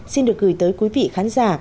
xin được gửi tới quý vị khán giả